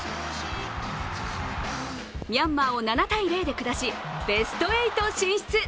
ミャンマーを７−０で下しベスト８進出。